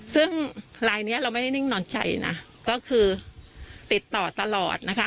ซึ่งลายนี้เราไม่ได้นิ่งนอนใจนะก็คือติดต่อตลอดนะคะ